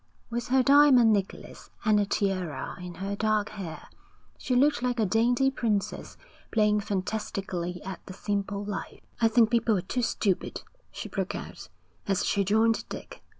With her diamond necklace and a tiara in her dark hair, she looked like a dainty princess playing fantastically at the simple life. 'I think people are too stupid,' she broke out, as she joined Dick.